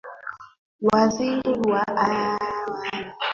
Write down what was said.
waziri wa wahamiaji na usajili wa watu nchini kenya otieno kajwang